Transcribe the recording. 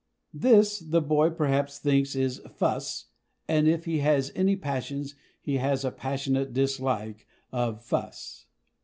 This, the boy perhaps thinks, is "fuss," and, if he has any passions, he has a passionate dislike of fuss.